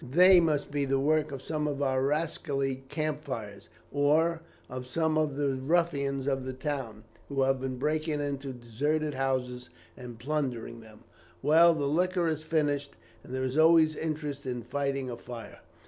They must be the work of some of our rascally camp followers, or of some of the ruffians of the town, who have been breaking into deserted houses and plundering them. Well, the liquor is finished, and there is always interest in fighting a fire."